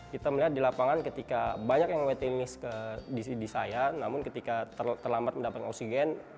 kita melihat di lapangan ketika banyak yang wetinis di saya namun ketika terlambat mendapatkan oksigen